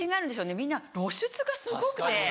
みんな露出がすごくて。